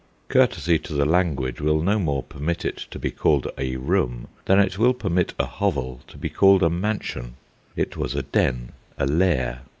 Courtesy to the language will no more permit it to be called a room than it will permit a hovel to be called a mansion. It was a den, a lair.